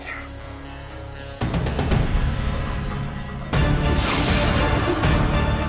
ya ampun ya